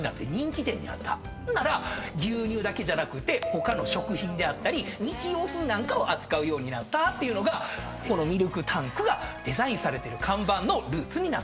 ほんなら牛乳だけじゃなくて他の食品であったり日用品なんかを扱うようになったというのがこのミルクタンクがデザインされてる看板のルーツになってるそうなんですね。